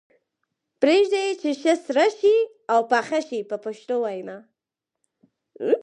پرېږدي یې چې ښه سره شي او پاخه شي په پښتو وینا.